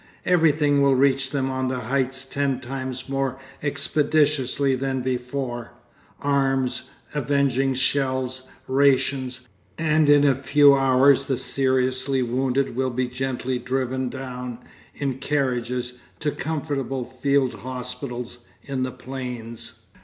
Everything will reach them on the heights ten times more expeditiously than before arms, avenging shells, rations; and in a few hours the seriously wounded will be gently driven down in carriages to comfortable field hospitals in the plains.